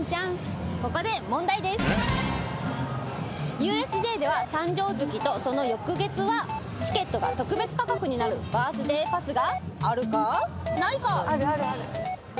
「ＵＳＪでは誕生月とその翌月はチケットが特別価格になるバースデー・パスが」